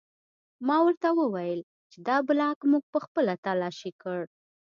ما ورته وویل چې دا بلاک موږ پخپله تلاشي کړ